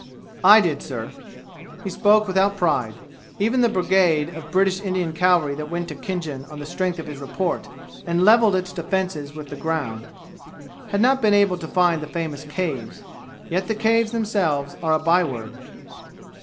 "I did, sir." He spoke without pride. Even the brigade of British Indian cavalry that went to Khinjan on the strength of his report and leveled its defenses with the ground, had not been able to find the famous Caves. Yet the Caves themselves are a by word.